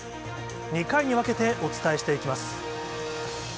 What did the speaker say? ２回に分けてお伝えしていきます。